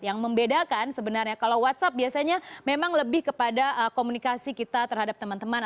yang membedakan sebenarnya kalau whatsapp biasanya memang lebih kepada komunikasi kita terhadap teman teman